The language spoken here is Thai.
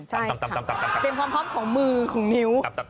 เตรียมความพร้อมของมือของนิ้ว